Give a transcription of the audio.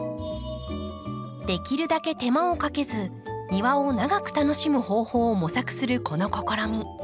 できるだけ手間をかけず庭を長く楽しむ方法を模索するこの試み。